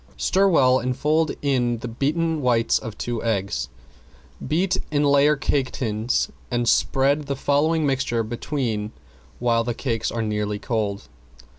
Stir well and fold in the beaten whites of two eggs. Beat in layer cake tins and spread the following mixture between when the cakes are nearly cold.